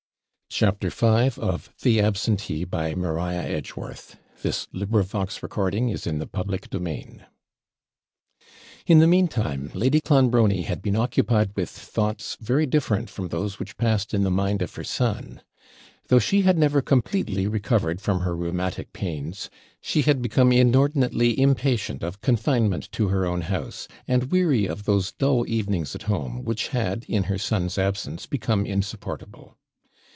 er has observed, 'is an article that may be borrowed with safety, and is often dearly bought.' CHAPTER V In the meantime, Lady Clonbrony had been occupied with thoughts very different from those which passed in the mind of her son. Though she had never completely recovered from her rheumatic pains, she had become inordinately impatient of confinement to her own house, and weary of those dull evenings at home, which had, in her son's absence, become insupportable.